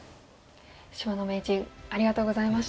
芝野名人ありがとうございました。